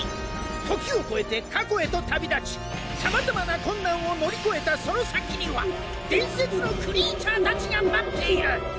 時を超えて過去へと旅立ちさまざまな困難を乗り越えたその先には伝説のクリーチャーたちが待っている。